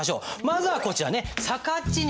まずはこちらね